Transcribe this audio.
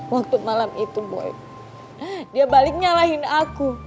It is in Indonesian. waktu malam itu boy dia balik nyalahin aku